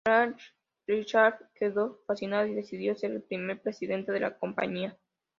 Ralph Richardson quedó fascinado, y decidió ser el primer presidente de la compañía.